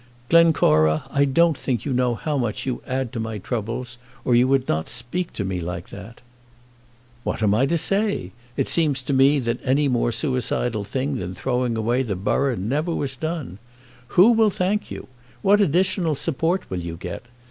"Glencora, I don't think you know how much you add to my troubles, or you would not speak to me like that." "What am I to say? It seems to me that any more suicidal thing than throwing away the borough never was done. Who will thank you? What additional support will you get?